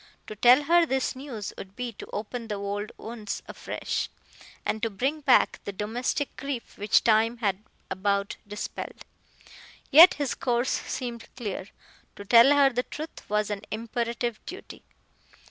To tell her this news would be to open the old wounds afresh, and to bring back the domestic grief which time had about dispelled. Yet his course seemed clear. To tell her the truth was an imperative duty.